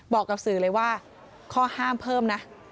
บอกกับสื่อเลยว่าข้อห้ามเพิ่มนะ